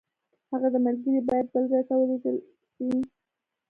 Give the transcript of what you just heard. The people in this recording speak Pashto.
د هغه ملګري باید بل ځای ته ولېږل شي.